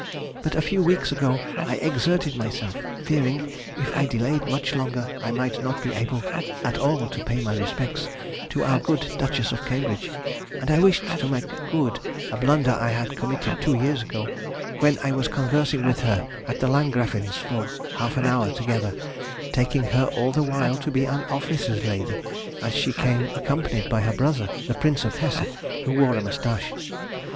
But a few weeks ago I exerted myself, fearing if I delayed much longer I might not be able at all to pay my respects to our good Duchess of Cambridge, and I wished to make good a blunder I had committed two years ago, when I was conversing with her at the Landgräfin's for half an hour together, taking her all the while to be an officer's lady, as she came accompanied by her brother, the Prince of Hesse, who wore a moustache.